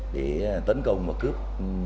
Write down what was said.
để tấn công và cướp